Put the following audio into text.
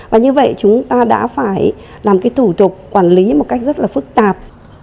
và như vậy chúng ta đã phải làm cái thủ tục quản lý một cách rất là phức tạp